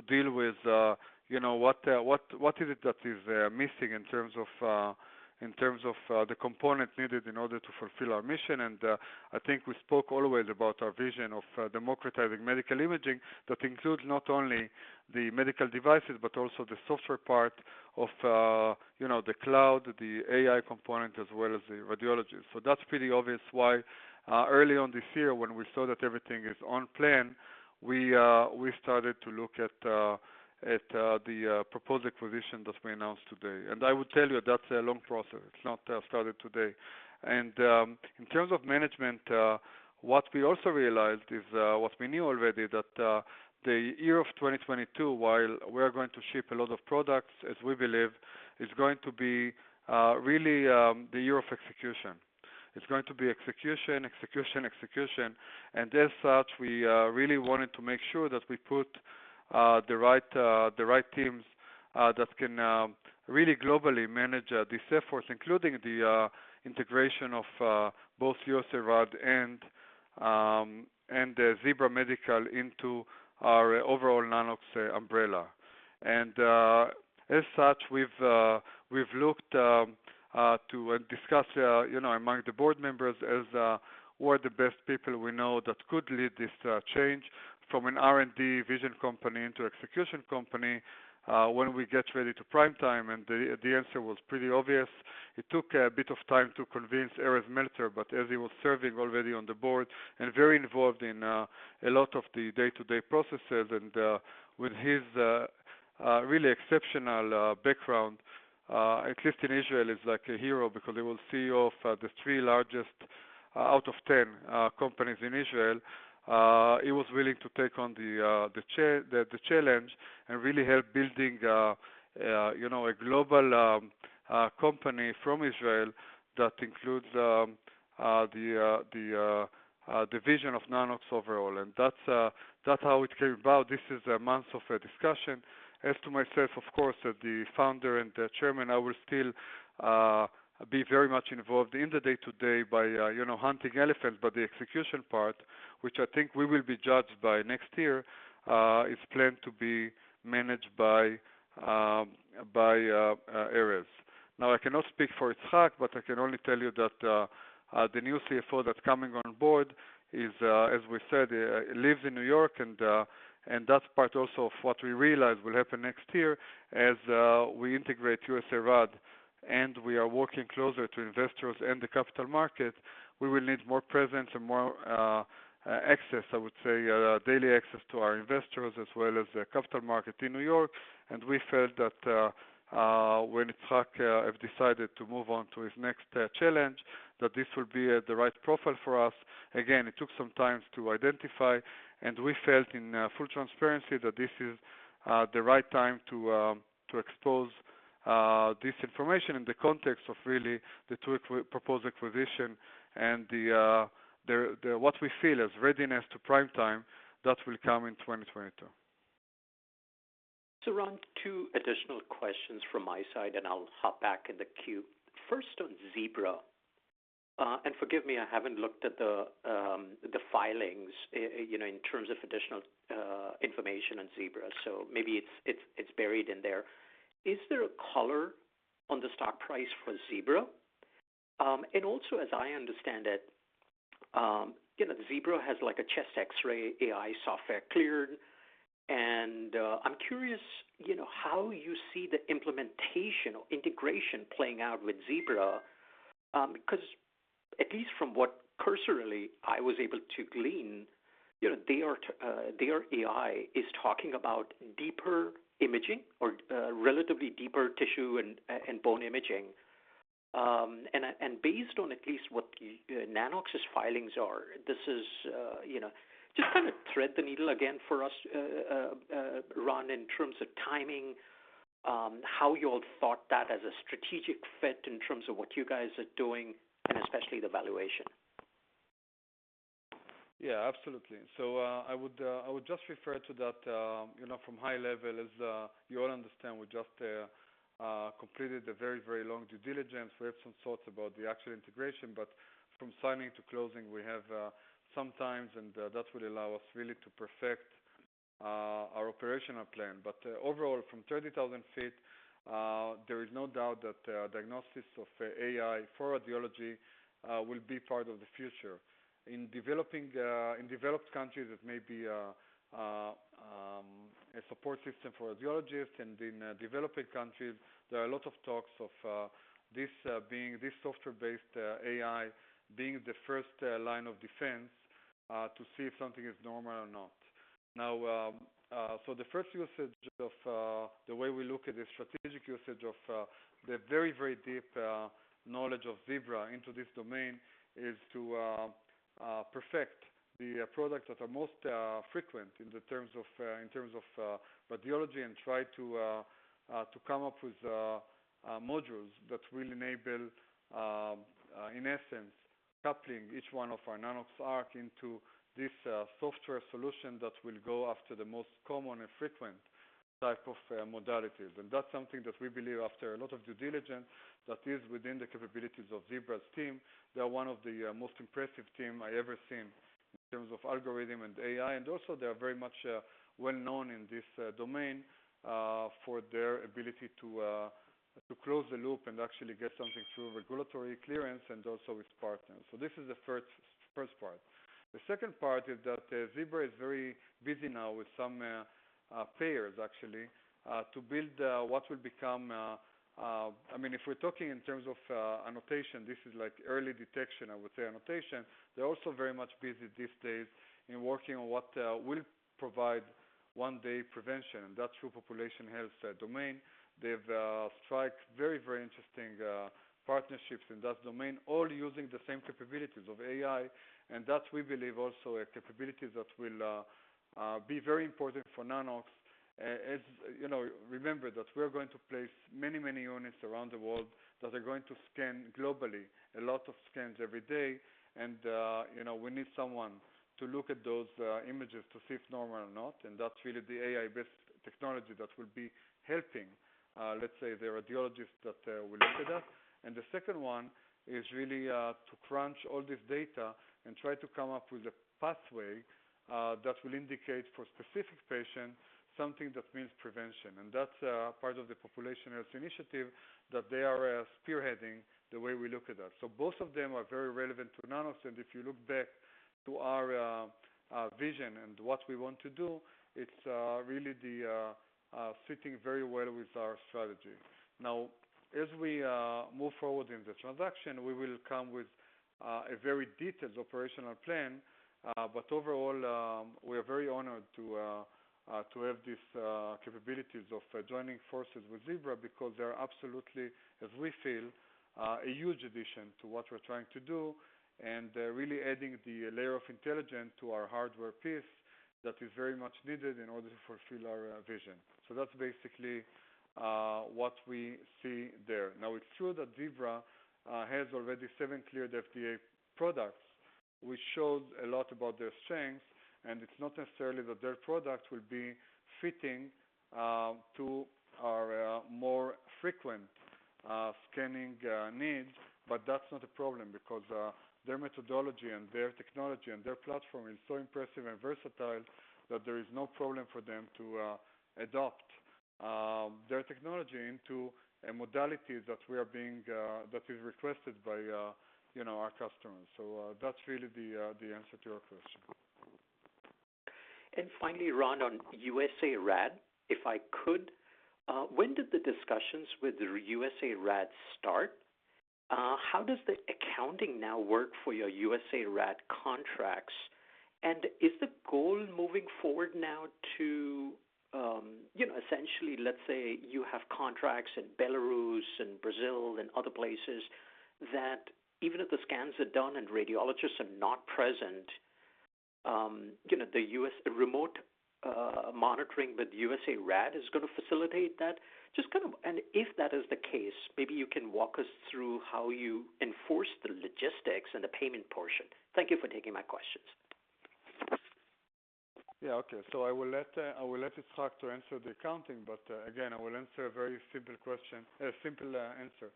Speaker 3: deal with what is it that is missing in terms of the components needed in order to fulfill our mission. I think we spoke always about our vision of democratizing medical imaging that includes not only the medical devices but also the software part of the cloud, the AI component, as well as the radiologist. That's pretty obvious why early on this year when we saw that everything is on plan, we started to look at the proposed acquisition that we announced today. I would tell you that's a long process. It's not started today. In terms of management, what we also realized is what we knew already that the year of 2022, while we're going to ship a lot of products, as we believe, is going to be really the year of execution. It's going to be execution. As such, we really wanted to make sure that we put the right teams that can really globally manage these efforts, including the integration of both USARAD and Zebra Medical into our overall Nanox umbrella. As such, we've looked to discuss among the board members as who are the best people we know that could lead this change from an R&D vision company into execution company when we get ready to prime time, the answer was pretty obvious. It took a bit of time to convince Erez Meltzer, as he was serving already on the board and very involved in a lot of the day-to-day processes, and with his really exceptional background. At least in Israel, he's like a hero because he was CEO of the 3 largest out of 10 companies in Israel. He was willing to take on the challenge and really help building a global company from Israel that includes the vision of Nanox overall. That's how it came about. This is months of discussion. As to myself, of course, as the founder and chairman, I will still be very much involved in the day-to-day by hunting elephants. The execution part, which I think we will be judged by next year, is planned to be managed by Erez. Now, I cannot speak for Itzhak, but I can only tell you that, the new CFO that's coming on board is, as we said, lives in New York, and that's part also of what we realize will happen next year as we integrate USARAD, and we are working closer to investors and the capital market. We will need more presence and more access, I would say, daily access to our investors as well as the capital market in New York. We felt that when Itzhak have decided to move on to his next challenge, that this would be the right profile for us. Again, it took some time to identify, and we felt in full transparency that this is the right time to expose this information in the context of really the proposed acquisition and what we feel is readiness to prime time. That will come in 2022.
Speaker 7: Ran, two additional questions from my side, and I'll hop back in the queue. First, on Zebra. Forgive me, I haven't looked at the filings, in terms of additional information on Zebra. Maybe it's buried in there. Is there a color on the stock price for Zebra? Also, as I understand it, Zebra has a chest X-ray AI software cleared, and I'm curious how you see the implementation or integration playing out with Zebra. At least from what cursorily I was able to glean, their AI is talking about deeper imaging or relatively deeper tissue and bone imaging. Based on at least what Nanox's filings are, just kind of thread the needle again for us, Ran, in terms of timing, how you all thought that as a strategic fit in terms of what you guys are doing and especially the valuation.
Speaker 3: Yeah, absolutely. I would just refer to that from high level, as you all understand, we just completed a very, very long due diligence. We have some thoughts about the actual integration, from signing to closing, we have some times, and that will allow us really to perfect our operational plan. Overall, from 30,000 feet, there is no doubt that diagnosis of AI for radiology will be part of the future. In developed countries, it may be a support system for a radiologist, in developing countries, there are a lot of talks of this software-based AI being the first line of defense to see if something is normal or not. Now, the first usage of the way we look at the strategic usage of the very, very deep knowledge of Zebra into this domain is to perfect the products that are most frequent in terms of radiology, and try to come up with modules that will enable, in essence, coupling each one of our Nanox.ARC into this software solution that will go after the most common and frequent type of modalities. That's something that we believe after a lot of due diligence, that is within the capabilities of Zebra's team. They're one of the most impressive team I ever seen in terms of algorithm and AI, and also they are very much well-known in this domain, for their ability to close the loop and actually get something through regulatory clearance and also with partners. This is the first part. The second part is that Zebra is very busy now with some payers, actually, to build what will become If we're talking in terms of annotation, this is like early detection, I would say annotation. They're also very much busy these days in working on what will provide one day prevention. That's through population health domain. They've struck very, very interesting partnerships in that domain, all using the same capabilities of AI. That we believe also a capability that will be very important for Nanox. Remember that we're going to place many, many units around the world that are going to scan globally, a lot of scans every day. We need someone to look at those images to see if normal or not. That's really the AI-based technology that will be helping, let's say, the radiologist that will look at that. The second one is really to crunch all this data and try to come up with a pathway that will indicate for specific patients something that means prevention. That's part of the population health initiative that they are spearheading the way we look at that. Both of them are very relevant to Nanox, and if you look back to our vision and what we want to do, it's really fitting very well with our strategy. As we move forward in the transaction, we will come with a very detailed operational plan. Overall, we are very honored to have these capabilities of joining forces with Zebra because they are absolutely, as we feel, a huge addition to what we're trying to do and really adding the layer of intelligence to our hardware piece that is very much needed in order to fulfill our vision. That's basically what we see there. It's true that Zebra-Med has already seven cleared FDA products, which showed a lot about their strengths, and it's not necessarily that their product will be fitting to our more frequent scanning needs. That's not a problem because their methodology and their technology and their platform is so impressive and versatile that there is no problem for them to adopt their technology into a modality that is requested by our customers. That's really the answer to your question.
Speaker 7: Finally, Ran, on USARAD, if I could, when did the discussions with USARAD start? How does the accounting now work for your USARAD contracts, and is the goal moving forward now to, essentially, let's say you have contracts in Belarus and Brazil and other places, that even if the scans are done and radiologists are not present, the remote monitoring with USARAD is going to facilitate that? If that is the case, maybe you can walk us through how you enforce the logistics and the payment portion. Thank you for taking my questions.
Speaker 3: Yeah. Okay. I will let Itzhak to answer the accounting, but again, I will answer a very simple answer.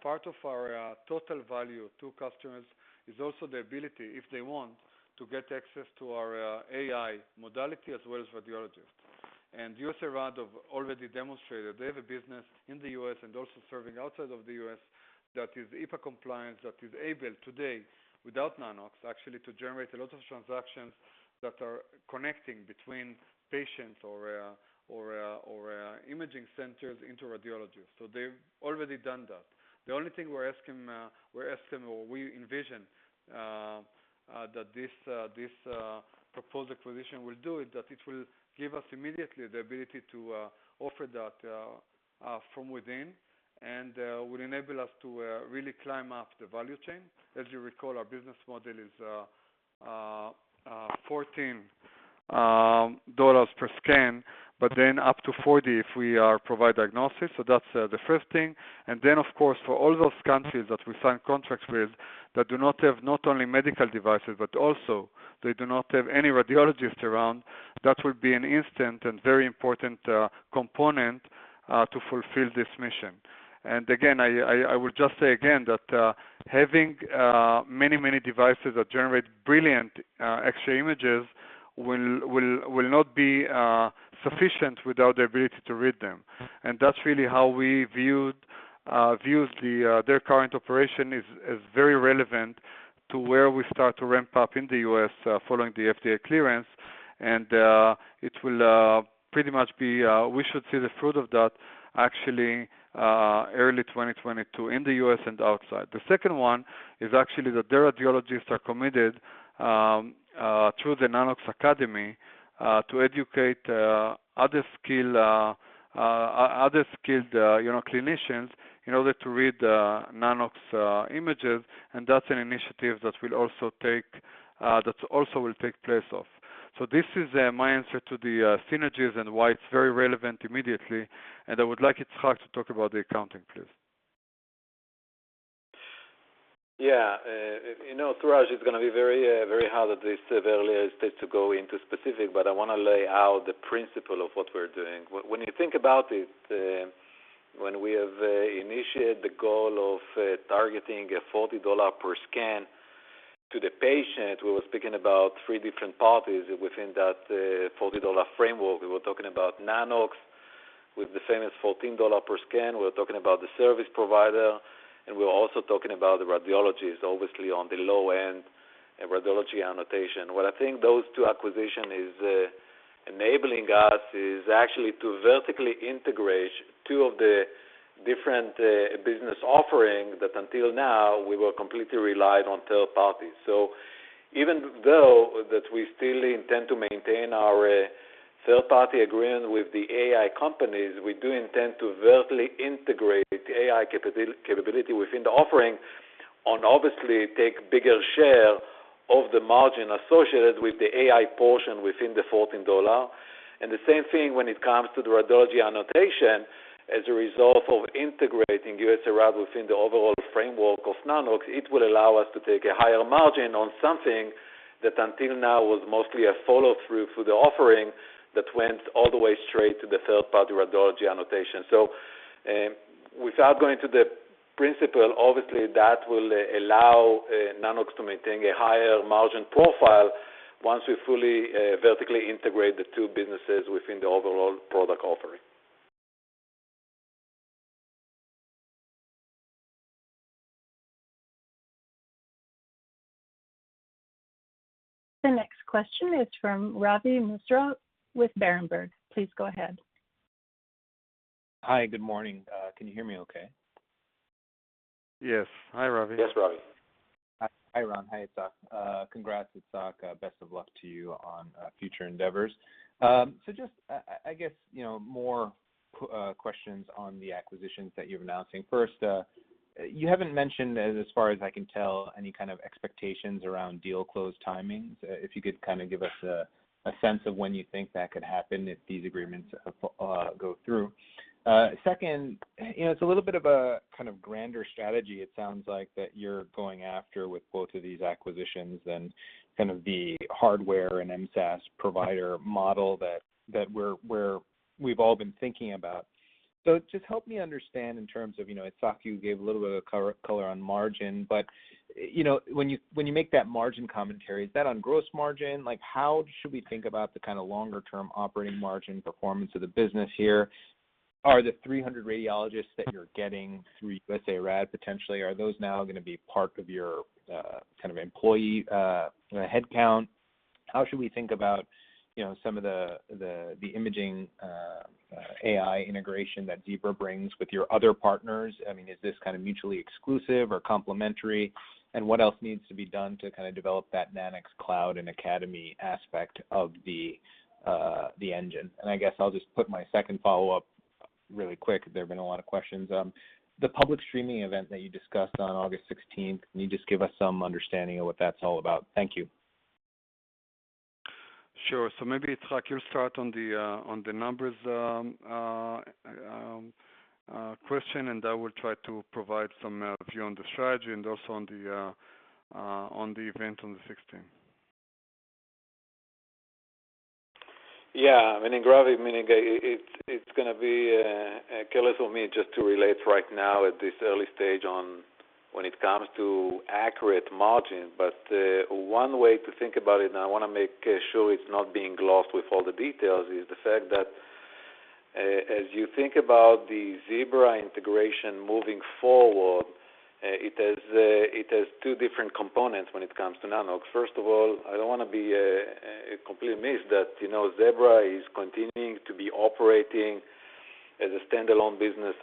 Speaker 3: Part of our total value to customers is also the ability, if they want, to get access to our AI modality as well as radiologist. USARAD have already demonstrated they have a business in the U.S. and also serving outside of the U.S. that is HIPAA compliant, that is able today, without Nanox, actually, to generate a lot of transactions that are connecting between patients or imaging centers into radiologists. They've already done that. The only thing we're asking, or we envision, that this proposed acquisition will do, is that it will give us immediately the ability to offer that from within and will enable us to really climb up the value chain. As you recall, our business model is $14 per scan, but then up to $40 if we provide diagnosis. That's the first thing. Of course, for all those countries that we sign contracts with that do not have, not only medical devices, but also they do not have any radiologists around, that will be an instant and very important component to fulfill this mission. Again, I would just say again that having many devices that generate brilliant X-ray images will not be sufficient without the ability to read them. That's really how we viewed their current operation is very relevant to where we start to ramp up in the U.S. following the FDA clearance. We should see the fruit of that actually early 2022 in the U.S. and outside. The second one is actually that their radiologists are committed through the Nanox Academy to educate other skilled clinicians in order to read Nanox images. That's an initiative that also will take place off. This is my answer to the synergies and why it's very relevant immediately, and I would like Itzhak to talk about the accounting, please.
Speaker 4: Yeah. Suraj, it's going to be very hard at this early stage to go into specific, but I want to lay out the principle of what we're doing. When you think about it, when we have initiated the goal of targeting a $40 per scan to the patient, we were speaking about three different parties within that $40 framework. We were talking about Nanox with the famous $14 per scan. We're talking about the service provider, and we're also talking about the radiologists, obviously, on the low end, radiology annotation. What I think those two acquisition is enabling us is actually to vertically integrate two of the different business offerings that until now we were completely relied on third parties. Even though that we still intend to maintain our third-party agreement with the AI companies, we do intend to vertically integrate the AI capability within the offering and obviously take bigger share of the margin associated with the AI portion within the $14. The same thing when it comes to the radiology annotation. As a result of integrating USARAD within the overall framework of Nanox, it will allow us to take a higher margin on something that, until now, was mostly a follow-through for the offering that went all the way straight to the third-party radiology annotation. Without going into the principle, obviously, that will allow Nanox to maintain a higher margin profile once we fully vertically integrate the two businesses within the overall product offering.
Speaker 1: The next question is from Ravi Misra with Berenberg. Please go ahead.
Speaker 8: Hi. Good morning. Can you hear me okay?
Speaker 3: Yes. Hi, Ravi.
Speaker 4: Yes, Ravi.
Speaker 8: Hi, Ran. Hi, Itzhak. Congrats, Itzhak. Best of luck to you on future endeavors. Just, I guess, more questions on the acquisitions that you're announcing. First, you haven't mentioned, as far as I can tell, any kind of expectations around deal close timings. If you could kind of give us a sense of when you think that could happen if these agreements go through. Second, it's a little bit of a grander strategy it sounds like that you're going after with both of these acquisitions and kind of the hardware and MSaaS provider model that we've all been thinking about. Just help me understand in terms of, Itzhak, you gave a little bit of color on margin, but when you make that margin commentary, is that on gross margin? How should we think about the kind of longer-term operating margin performance of the business here? Are the 300 radiologists that you're getting through USARAD potentially, are those now going to be part of your employee headcount? How should we think about some of the imaging AI integration that Zebra brings with your other partners? Is this mutually exclusive or complementary? What else needs to be done to kind of develop that Nanox.CLOUD and Nanox Academy aspect of the engine? I guess I'll just put my second follow-up really quick. There've been a lot of questions. The public streaming event that you discussed on August 16th, can you just give us some understanding of what that's all about? Thank you.
Speaker 3: Sure. Maybe, Itzhak, you start on the numbers question, and I will try to provide some view on the strategy and also on the event on the 16th.
Speaker 4: Yeah. Ravi, it's going to be careless of me just to relate right now at this early stage on when it comes to accurate margin. One way to think about it, and I want to make sure it's not being lost with all the details, is the fact that as you think about the Zebra integration moving forward, it has two different components when it comes to Nanox. First of all, I don't want to be completely missed that Zebra is continuing to be operating as a standalone business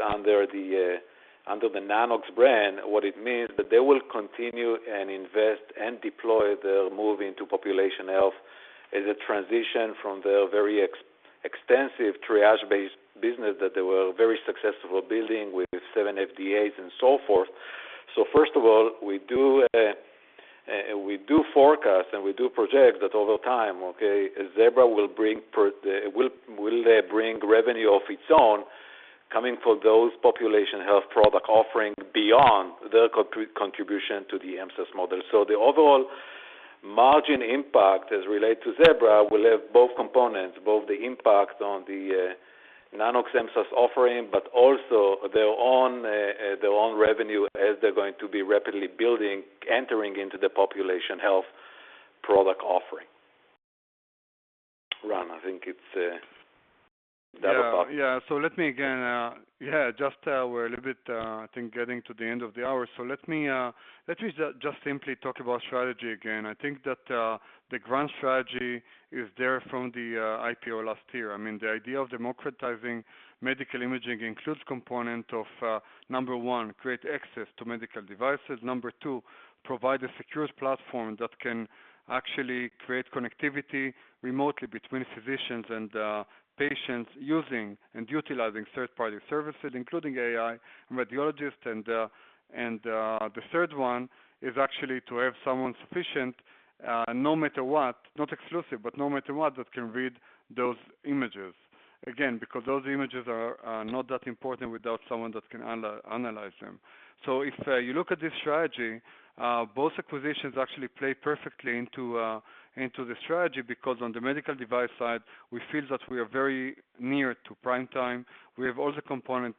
Speaker 4: under the Nanox brand. What it means, that they will continue and invest and deploy their move into population health as a transition from their very extensive triage-based business that they were very successful building with seven FDAs and so forth. First of all, we do forecast, and we do project that over time, okay, Zebra will bring revenue of its own coming for those population health product offerings beyond their contribution to the MSaaS model. The overall margin impact, as related to Zebra, will have both components, both the impact on the Nanox MSaaS offering, but also their own revenue as they're going to be rapidly building, entering into the population health product offering. Ran, I think it's that about-
Speaker 3: Yeah. Just we're a little bit, I think, getting to the end of the hour. Let me just simply talk about strategy again. I think that the grand strategy is there from the IPO last year. The idea of democratizing medical imaging includes component of, number 1, create access to medical devices. Number 2, provide a secure platform that can actually create connectivity remotely between physicians and patients using and utilizing third-party services, including AI radiologists. The third one is actually to have someone sufficient, no matter what, not exclusive, but no matter what, that can read those images. Again, because those images are not that important without someone that can analyze them. If you look at this strategy, both acquisitions actually play perfectly into the strategy, because on the medical device side, we feel that we are very near to prime time. We have all the component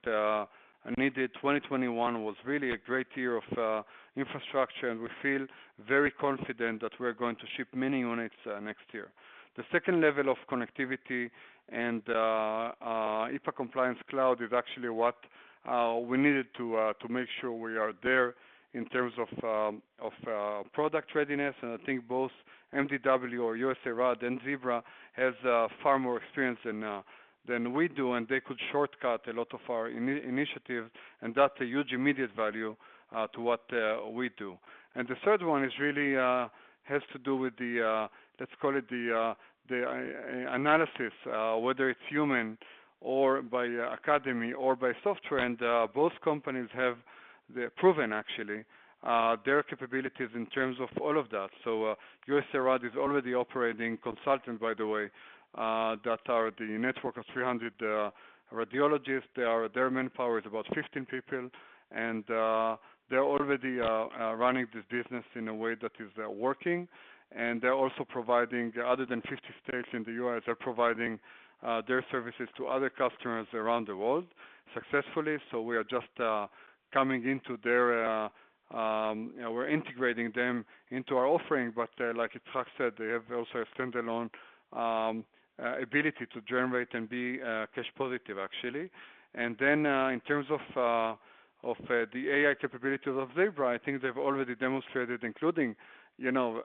Speaker 3: needed. 2021 was really a great year of infrastructure, and we feel very confident that we're going to ship many units next year. The second level of connectivity and HIPAA compliance cloud is actually what we needed to make sure we are there in terms of product readiness, and I think both MDW or USARAD and Zebra has far more experience than we do, and they could shortcut a lot of our initiatives, and that's a huge immediate value to what we do. The third one really has to do with the, let's call it, the analysis, whether it's human or by academy or by software. Both companies have proven actually their capabilities in terms of all of that. USARAD is already operating consultant, by the way, that are the network of 300 radiologists. Their manpower is about 15 people, and they're already running this business in a way that is working. They're also providing, other than 50 states in the U.S., they're providing their services to other customers around the world successfully. We're integrating them into our offering, but like Itzhak said, they have also a standalone ability to generate and be cash positive, actually. In terms of the AI capabilities of Zebra, I think they've already demonstrated, including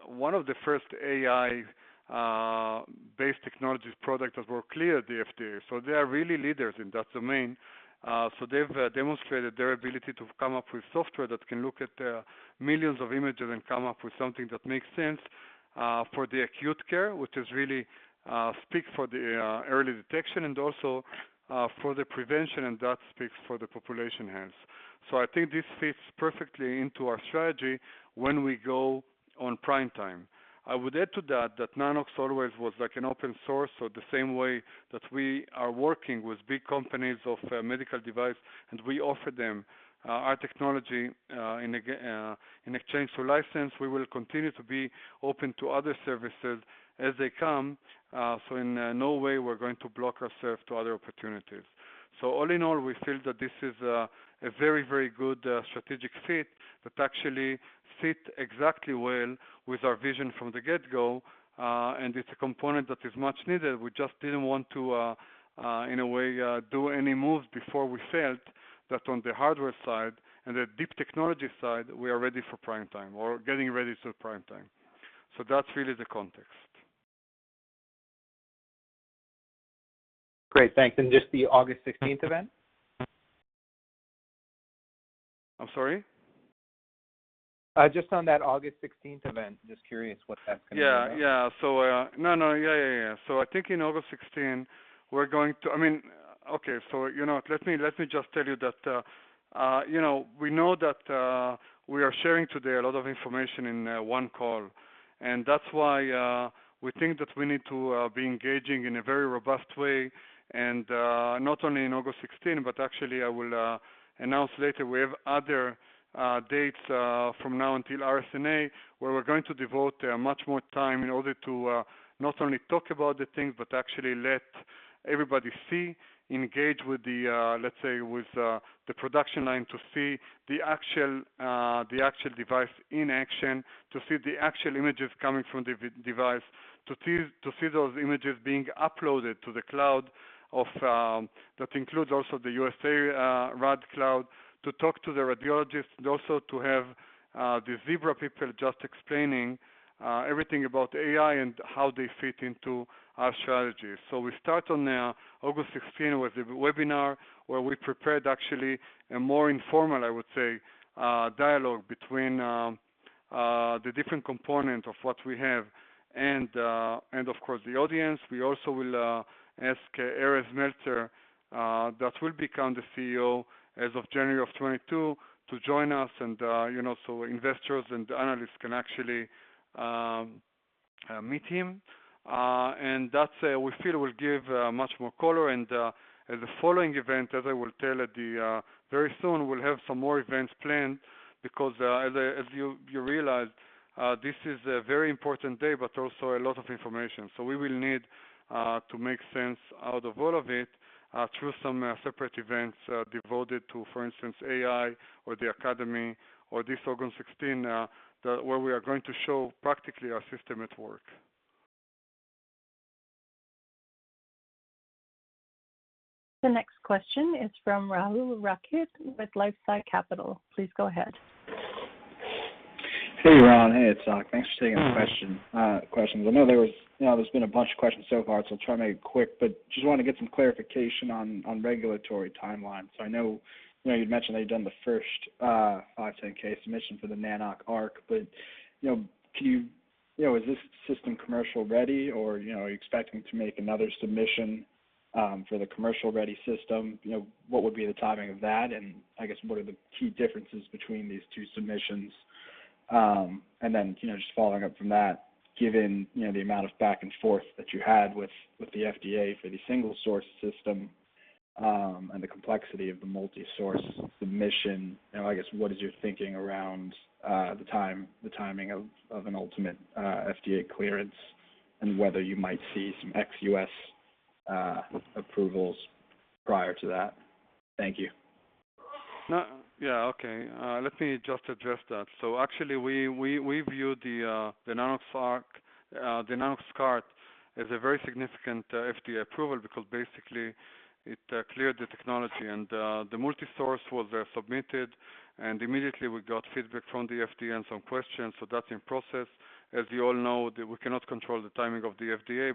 Speaker 3: one of the first AI-based technologies product that were cleared the FDA. They are really leaders in that domain. They've demonstrated their ability to come up with software that can look at millions of images and come up with something that makes sense, for the acute care, which really speaks for the early detection and also for the prevention, and that speaks for the population health. I think this fits perfectly into our strategy when we go on prime time. I would add to that Nano-X always was like an open source. The same way that we are working with big companies of medical device, and we offer them our technology in exchange for license. We will continue to be open to other services as they come. In no way we're going to block ourself to other opportunities. All in all, we feel that this is a very, very good strategic fit that actually sit exactly well with our vision from the get-go. It's a component that is much needed. We just didn't want to, in a way, do any moves before we felt that on the hardware side and the deep technology side, we are ready for prime time or getting ready to prime time. That's really the context.
Speaker 8: Great, thanks. Just the August 16th event?
Speaker 3: I'm sorry?
Speaker 8: Just on that August 16th event, just curious what that's going to be about?
Speaker 3: I think in August 16, let me just tell you that we know that we are sharing today a lot of information in one call, and that's why we think that we need to be engaging in a very robust way and not only in August 16, but actually I will announce later, we have other dates, from now until RSNA, Where we're going to devote much more time in order to not only talk about the things but actually let everybody see, engage, let's say, with the production line to see the actual device in action, to see the actual images coming from the device, to see those images being uploaded to the cloud, that includes also the USARAD Cloud, to talk to the radiologists, and also to have the Zebra people just explaining everything about AI and how they fit into our strategy. We start on August 16 with a webinar where we prepared actually a more informal, I would say, dialogue between the different component of what we have and of course the audience. We also will ask Erez Meltzer, that will become the CEO as of January of 2022, to join us and so investors and analysts can actually meet him. That, we feel, will give much more color. The following event, as I will tell very soon, we'll have some more events planned because, as you realize, this is a very important day, but also a lot of information. We will need to make sense out of all of it through some separate events devoted to, for instance, AI or the Academy or this August 16, where we are going to show practically our system at work.
Speaker 1: The next question is from Rahul Rakhit with LifeSci Capital. Please go ahead.
Speaker 9: Hey, Ran. Hey, Itzhak. Thanks for taking our questions. I know there's been a bunch of questions so far, so I'll try and make it quick, but just want to get some clarification on regulatory timeline. I know you'd mentioned that you'd done the first 510(k) submission for the Nanox.ARC, but is this system commercial-ready or are you expecting to make another submission for the commercial-ready system? What would be the timing of that, and I guess, what are the key differences between these two submissions? Then, just following up from that, given the amount of back and forth that you had with the FDA for the single-source system, and the complexity of the multi-source submission, I guess what is your thinking around the timing of an ultimate FDA clearance and whether you might see some ex-U.S. approvals prior to that? Thank you.
Speaker 3: Yeah. Okay. Let me just address that. Actually, we view the Nanox.ARC, the Nanox.CART as a very significant FDA approval because basically it cleared the technology and the multi-source was submitted and immediately we got feedback from the FDA and some questions. That's in process. As you all know, we cannot control the timing of the FDA,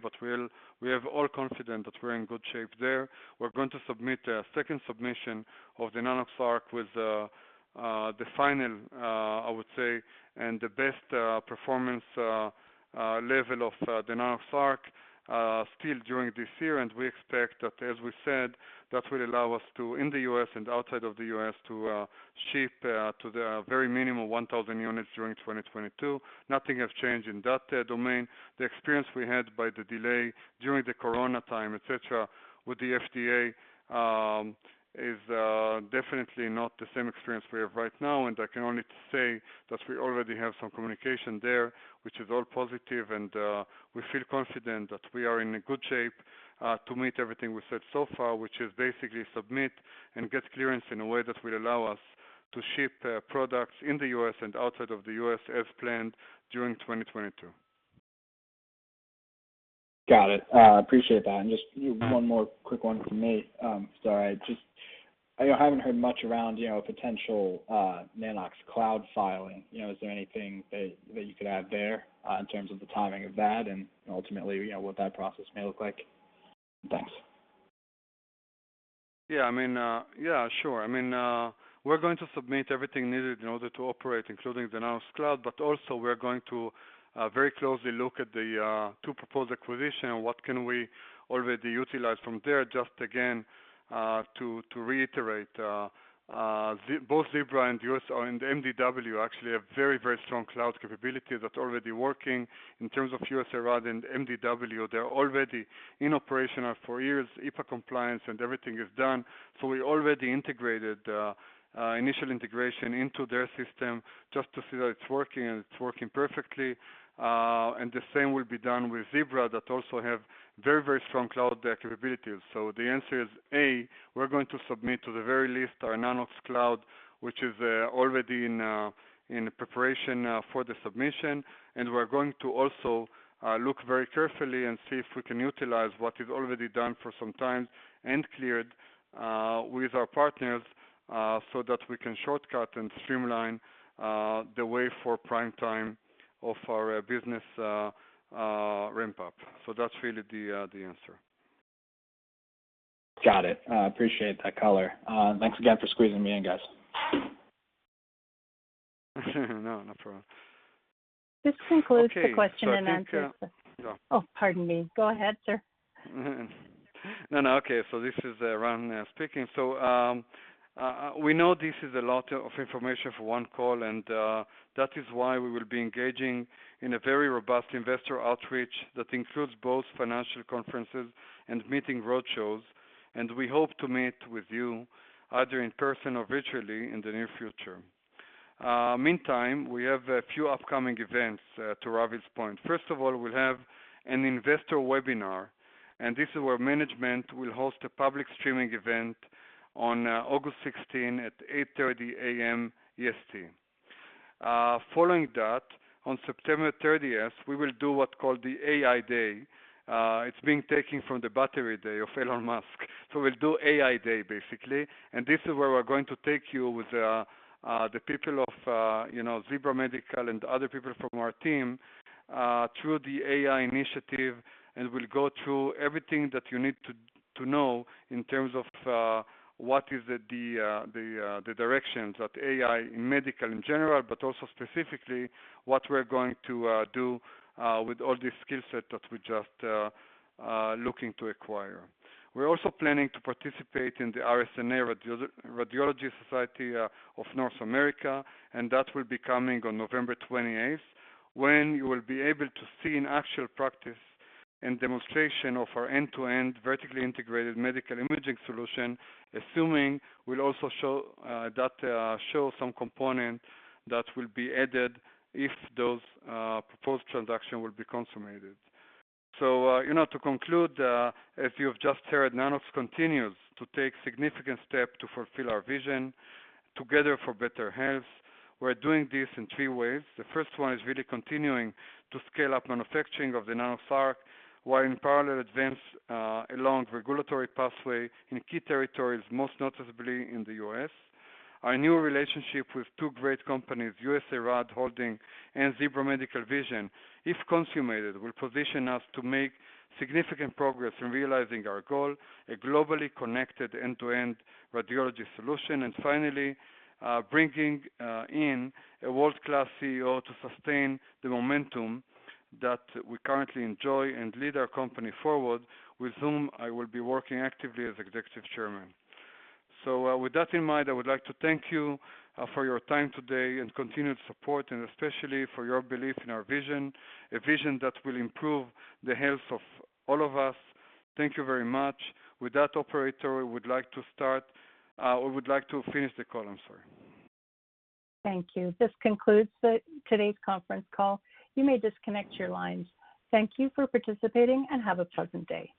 Speaker 3: we have all confidence that we're in good shape there. We're going to submit a second submission of the Nanox.ARC with the final, I would say, and the best performance level of the Nanox.ARC still during this year. We expect that, as we said, that will allow us to, in the U.S. and outside of the U.S., to ship to the very minimum of 1,000 units during 2022. Nothing has changed in that domain. The experience we had by the delay during the Corona time, et cetera, with the FDA, is definitely not the same experience we have right now. I can only say that we already have some communication there, which is all positive and we feel confident that we are in a good shape to meet everything we said so far, which is basically submit and get clearance in a way that will allow us to ship products in the U.S. and outside of the U.S. as planned during 2022.
Speaker 9: Got it. I appreciate that. Just one more quick one from me. Sorry, I just haven't heard much around potential Nanox.CLOUD filing. Is there anything that you could add there in terms of the timing of that and ultimately, what that process may look like? Thanks.
Speaker 3: Yeah. Sure. We're going to submit everything needed in order to operate, including the Nanox.CLOUD, but also we're going to very closely look at the 2 proposed acquisition and what can we already utilize from there. Just again, to reiterate, both Zebra and USARAD and MDW actually have very strong cloud capability that's already working. In terms of USARAD and MDW, they're already in operation for years, HIPAA compliance and everything is done. We already integrated initial integration into their system just to see that it's working, and it's working perfectly. The same will be done with Zebra, that also have very strong cloud capabilities. The answer is, A, we're going to submit to the very least our Nanox.CLOUD, which is already in preparation for the submission. We're going to also look very carefully and see if we can utilize what is already done for some time and cleared, with our partners, so that we can shortcut and streamline the way for prime time of our business ramp-up. That's really the answer.
Speaker 9: Got it. I appreciate that color. Thanks again for squeezing me in, guys.
Speaker 3: No, no problem.
Speaker 1: This concludes the question and answer.
Speaker 3: Okay.
Speaker 1: Oh, pardon me. Go ahead, sir.
Speaker 3: No. Okay. This is Ran speaking. We know this is a lot of information for one call, and that is why we will be engaging in a very robust investor outreach that includes both financial conferences and meeting road shows, and we hope to meet with you either in person or virtually in the near future. Meantime, we have a few upcoming events, to Ravi's point. First of all, we will have an investor webinar, and this is where management will host a public streaming event on August 16 at 8:30 A.M. EST. Following that, on September 30th, we will do what is called the AI Day. It is being taken from the Battery Day of Elon Musk. We will do AI Day, basically, and this is where we are going to take you with the people of Zebra Medical and other people from our team through the AI initiative. We'll go through everything that you need to know in terms of what is the directions that AI in medical in general, but also specifically what we're going to do with all the skill set that we're just looking to acquire. We're also planning to participate in the RSNA, Radiological Society of North America, and that will be coming on November 28th, when you will be able to see an actual practice and demonstration of our end-to-end vertically integrated medical imaging solution. Assuming we'll also show some components that will be added if those proposed transaction will be consummated. To conclude, as you have just heard, Nanox continues to take significant step to fulfill our vision together for better health. We're doing this in three ways. The first one is really continuing to scale up manufacturing of the Nanox.ARC, while in parallel, advance along regulatory pathway in key territories, most noticeably in the U.S. Our new relationship with two great companies, USARAD Holdings, and Zebra Medical Vision, if consummated, will position us to make significant progress in realizing our goal, a globally connected end-to-end radiology solution. Finally, bringing in a world-class CEO to sustain the momentum that we currently enjoy and lead our company forward, with whom I will be working actively as Executive Chairman. With that in mind, I would like to thank you for your time today and continued support and especially for your belief in our vision, a vision that will improve the health of all of us. Thank you very much. With that, operator, we would like to finish the call. I'm sorry.
Speaker 1: Thank you. This concludes today's conference call. You may disconnect your lines. Thank you for participating, and have a pleasant day.